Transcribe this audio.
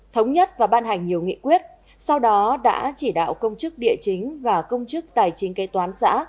thống nhất và ban hành nhiều nghị quyết sau đó đã chỉ đạo công chức địa chính và công chức tài chính kế toán xã